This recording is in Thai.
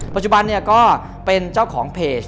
ปัจจุบันก็เป็นเจ้าของเพจ